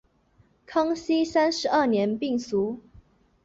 康熙三十二年病卒。